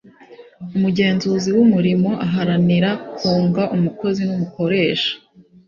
umugenzuzi w’umurimo aharanira kunga umukozi n’umukoresha